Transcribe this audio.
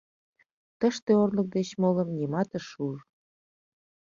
— Тыште орлык деч молым нимат ыш уж.